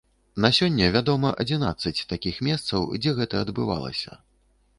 На сёння вядома адзінаццаць такіх месцаў, дзе гэта адбывалася.